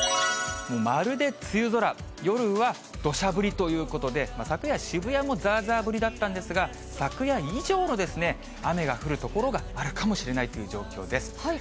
まるで梅雨空、夜はどしゃ降りということで、昨夜、渋谷もざーざー降りだったんですが、昨夜以上の雨が降る所があるかもしれないという状況です。